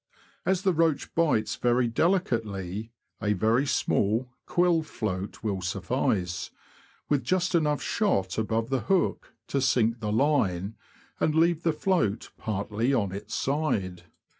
As the roach bites very delicately, a very small, quill float will suffice, with just enough shot above the hook to sink the line and leave the float partly on its side.